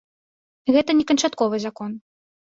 Гэта не канчатковы закон.